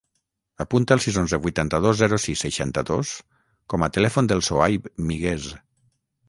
Apunta el sis, onze, vuitanta-dos, zero, sis, seixanta-dos com a telèfon del Sohaib Miguez.